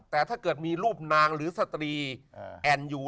แต่ถ้าเกิดมีรูปนางหรือสตรีแอ่นอยู่